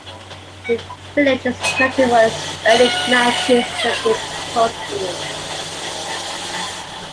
The village is noted for its early nineteenth century post mill.